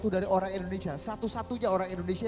satu dari orang indonesia satu satunya orang indonesia